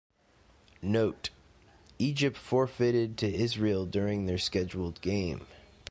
"Note:" Egypt forfeited to Israel during their scheduled game.